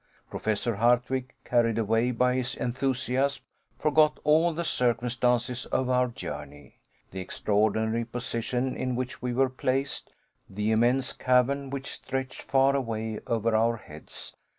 Professor Hardwigg, carried away by his enthusiasm, forgot all the circumstances of our journey, the extraordinary position in which we were placed, the immense cavern which stretched far away over our heads.